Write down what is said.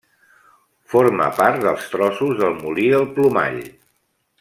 Forma part dels Trossos del Molí del Plomall.